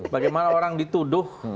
bagaimana orang dituduh